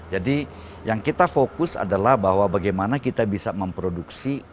jadi yang kita fokus adalah bahwa bagaimana kita bisa memproduksi